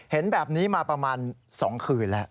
เห็นแบบนี้มาประมาณ๒คืนแล้ว